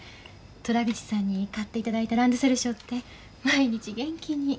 虎口さんに買って頂いたランドセルしょって毎日元気に。